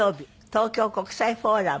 東京国際フォーラム。